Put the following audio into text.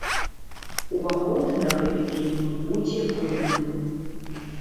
Уваход на гэты фільм будзе вольным.